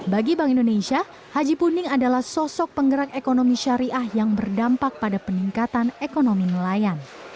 bagi bank indonesia haji puning adalah sosok penggerak ekonomi syariah yang berdampak pada peningkatan ekonomi nelayan